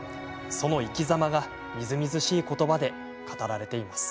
その生きざまがみずみずしい言葉で語られています。